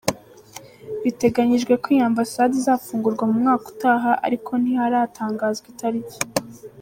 Biteganyijwe ko iyi Ambasade izafungurwa mu mwaka utaha ariko ntiharatangazwa itariki.